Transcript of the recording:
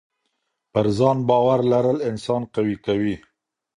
پر ځان باور لرل انسان قوي کوي.